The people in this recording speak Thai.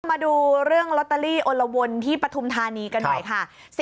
มาดูเรื่องลอตเตอรี่อลวนที่ปฐุมธานีกันหน่อยค่ะ